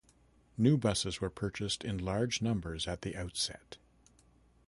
New buses were purchased in large numbers at the outset.